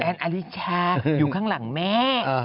อลิชาอยู่ข้างหลังแม่